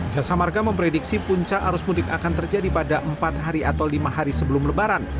jasa marga memprediksi puncak arus mudik akan terjadi pada empat hari atau lima hari sebelum lebaran